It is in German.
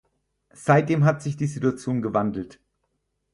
Seitdem hat sich die Situation gewandelt.